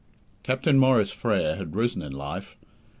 Captain Maurice Frere had risen in life.